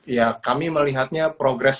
ya kami melihatnya progres